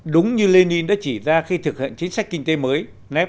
đúng như lenin đã chỉ ra khi thực hiện chính sách kinh tế mới